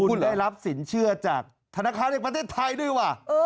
คุณได้รับสินเชื่อจากธนาคารแห่งประเทศไทยด้วยว่ะ